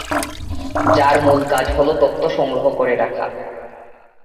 যার মূল কাজ হল তথ্য সংরক্ষণ করে রাখা।